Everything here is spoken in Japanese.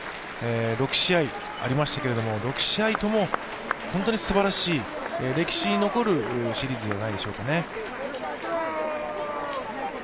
６試合ありましたけれども６試合とも本当にすばらしい歴史に残るシリーズではないでしょうかね。